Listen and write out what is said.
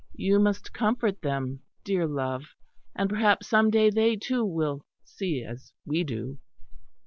You must comfort them, dear love; and perhaps some day they, too, will see as we do."